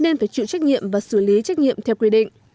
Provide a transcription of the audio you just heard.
nên phải chịu trách nhiệm và xử lý trách nhiệm theo quy định